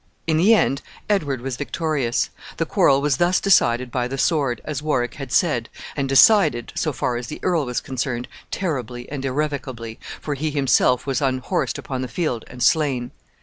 In the end, Edward was victorious. The quarrel was thus decided by the sword, as Warwick had said, and decided, so far as the earl was concerned, terribly and irrevocably, for he himself was unhorsed upon the field, and slain.